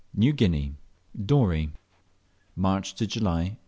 NEW GUINEA. DOREY. (MARCH TO JULY 1858.)